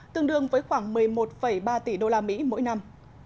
tương đương với khoảng một mươi một ba tỷ usd mỗi năm